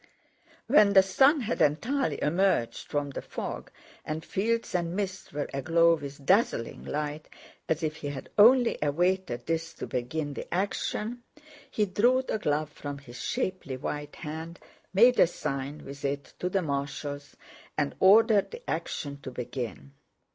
When the sun had entirely emerged from the fog, and fields and mist were aglow with dazzling light—as if he had only awaited this to begin the action—he drew the glove from his shapely white hand, made a sign with it to the marshals, and ordered the action to begin.